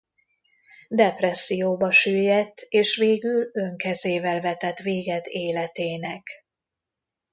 Depresszióba süllyedt és végül önkezével vetett véget életének.